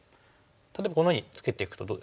例えばこんなふうにツケていくとどうですか？